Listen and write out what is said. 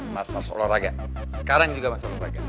mas harus olahraga sekarang juga mas harus olahraga